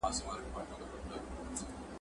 پلار له زوی او زوی له پلار سره جنګیږي !.